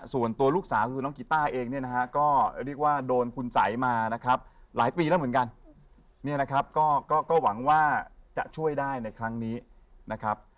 ส่วนตัวลูกสาวคือน้องกีต้าเองเนี่ยนะฮะก็เรียกว่าโดนคุณสัยมานะครับหลายปีแล้วเหมือนกันเนี่ยนะครับก็หวังว่าจะช่วยได้ในครั้งนี้นะครับ